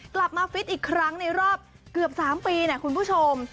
กลับมาฟิตอีกครั้งในรอบเกือบ๓ปีนะคุณผู้ชม